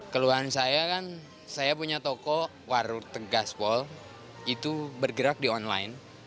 keluaran saya kan saya punya toko warurte gaswall itu bergerak di online